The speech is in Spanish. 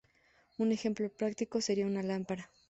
Un ejemplo práctico sería una lámpara.